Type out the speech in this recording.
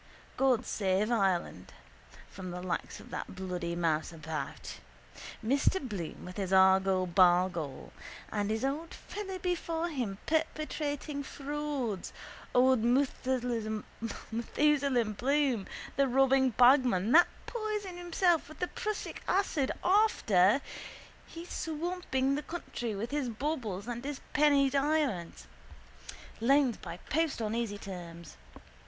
God save Ireland from the likes of that bloody mouseabout. Mr Bloom with his argol bargol. And his old fellow before him perpetrating frauds, old Methusalem Bloom, the robbing bagman, that poisoned himself with the prussic acid after he swamping the country with his baubles and his penny diamonds. Loans by post on easy terms.